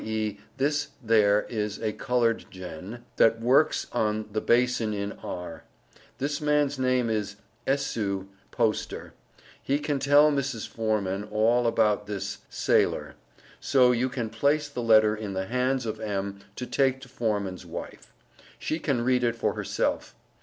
E. this there is a Colored gen. that workes on the basin in R this man's name is Esue Poster, he can tell Mrs. forman all about this Saleor. So you can place the letter in the hands of M. to take to forman's wife, She can read it for herself.